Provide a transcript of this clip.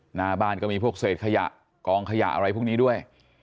หน้าบ้านก็มีพวกเศษขยะกองขยะอะไรพวกนี้ด้วย